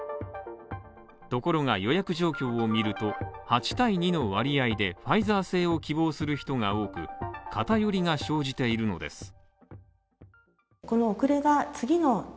ところが予約状況を見ると、８対２の割合でファイザー製を希望する人が多く、偏りが生じているのです。